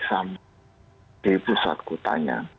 saya kesan di pusatku tanya